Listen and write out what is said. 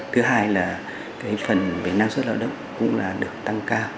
thứ hai là phần năng suất lao động cũng được tăng cao